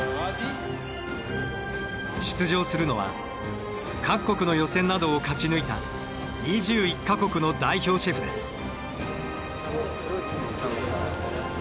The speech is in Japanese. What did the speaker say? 出場するのは各国の予選などを勝ち抜いた２１か国の代表シェフです。